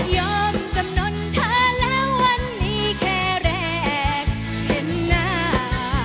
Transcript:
จำนวนเธอแล้ววันนี้แค่แรกเห็นหน้า